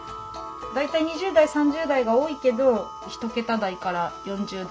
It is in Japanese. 大体２０代３０代が多いけど１桁台から４０代